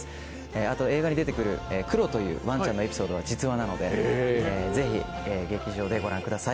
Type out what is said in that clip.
あと映画に出てくるクロというワンちゃんのエピソードは実話なのでぜひ劇場でご覧ください。